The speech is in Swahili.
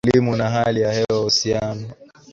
ya binadamu kilimo na hali ya hewaUhusiano